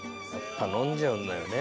飲んじゃうんだよね。